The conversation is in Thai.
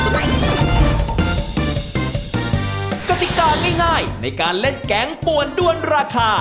พิธีการง่ายในการเล่นแกงปวดด้วนราคา